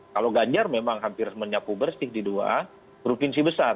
kalau ganjar memang hampir menyapu bersih di dua provinsi besar